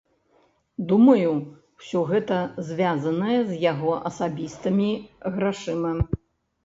Думаю, усё гэта звязанае з яго асабістымі грашыма.